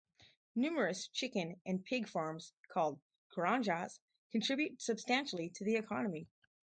Numerous chicken and pig farms, called "granjas," contribute substantially to the economy.